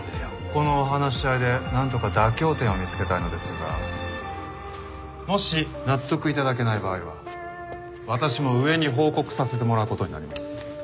このお話し合いでなんとか妥協点を見つけたいのですがもし納得頂けない場合は私も上に報告させてもらう事になります。